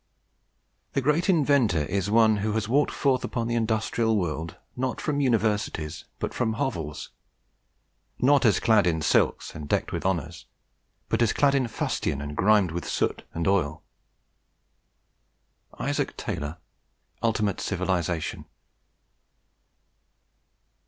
"The great Inventor is one who has walked forth upon the industrial world, not from universities, but from hovels; not as clad in silks and decked with honours, but as clad in fustian and grimed with soot and oil." ISAAC TAYLOR, Ultimate Civilization.